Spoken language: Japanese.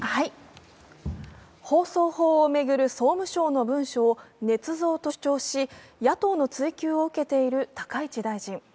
放送法を巡る総務省の文書をねつ造と主張し野党の追及を受けている高市大臣。